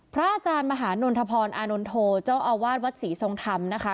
พระอาจารย์มหานนทพรอานนโทเจ้าอาวาสวัดศรีทรงธรรมนะคะ